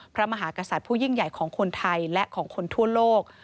พระมหากษัตริย์ผู้ยิ่งใหญ่ของคนไทยและของคนทั่วโลก